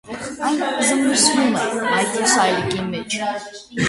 Այն զմռսվում է մայթի սալիկի մեջ։